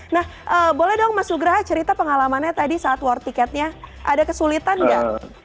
nah boleh dong mas nugraha cerita pengalamannya tadi saat war ticketnya ada kesulitan nggak